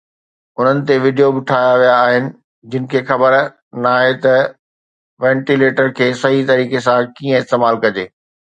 انهن تي وڊيوز به ٺاهيا ويا آهن جن کي خبر ناهي ته وينٽيليٽر کي صحيح طريقي سان ڪيئن استعمال ڪجي